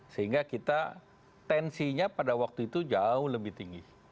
sehingga kita tensinya pada waktu itu jauh lebih tinggi